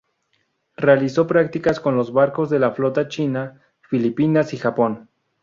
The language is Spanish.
Realizó prácticas con barcos de la flota China, Filipinas y Japón.